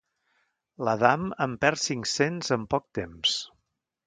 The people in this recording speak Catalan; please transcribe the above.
L'Adam en perd cinc-cents en poc temps.